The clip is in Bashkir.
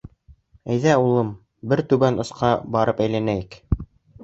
— Әйҙә, улым, беҙ түбән осҡа барып әйләнәйек.